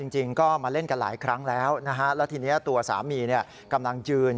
จริงก็มาเล่นกันหลายครั้งแล้วนะฮะแล้วทีนี้ตัวสามีกำลังยืน